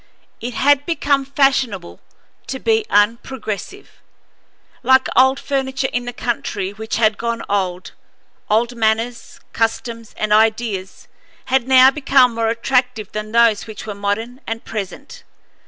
It had become fashionable to be unprogressive. Like old furniture in the century which had gone out, old manners, customs, and ideas had now become more attractive than those which were modern and present.